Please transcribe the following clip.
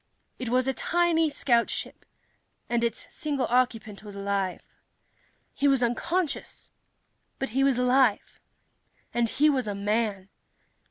It was a tiny scoutship, and its single occupant was alive. He was unconscious, but he was alive. And he was a man!